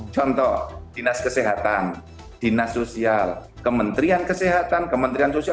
contoh dinas kesehatan dinas sosial kementerian kesehatan kementerian sosial